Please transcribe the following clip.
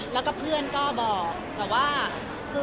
แล้วก็เพื่อนก็บอก